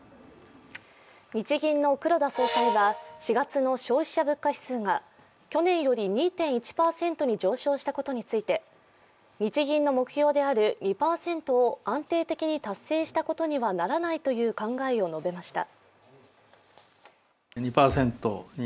日銀の黒田総裁は４月の消費者物価指数が去年より２．１％に上昇したことについて、日銀の目標である２％を安定的に達成したことにはならないとの考えを述べました。